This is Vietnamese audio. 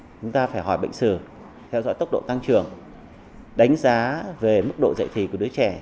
chúng ta phải hỏi bệnh sử theo dõi tốc độ tăng trưởng đánh giá về mức độ dạy thì của đứa trẻ